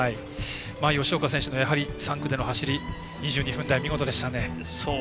吉岡選手の３区での走り２２分台、見事でしたね。